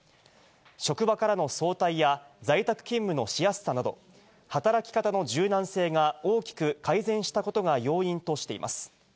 職場からの早退や在宅勤務のしやすさなど、働き方の柔軟性が大きく改善したことが要因としています。